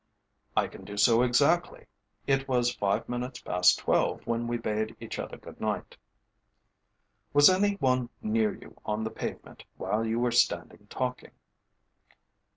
"I can do so exactly. It was five minutes past twelve when we bade each other good night." "Was any one near you on the pavement while you were standing talking?"